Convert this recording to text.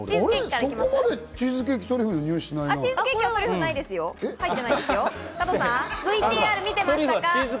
そこまでチーズケーキ、トリュフの香りはしないな。